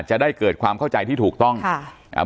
จะได้เกิดความเข้าใจที่ถูกต้องค่ะอ่า